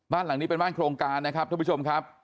บ้านหลังนี้เป็นบ้านโครงการนะครับท่านผู้ชมครับ